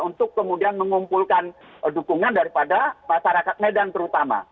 untuk kemudian mengumpulkan dukungan daripada masyarakat medan terutama